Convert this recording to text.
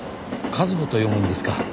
「かずほ」と読むんですか。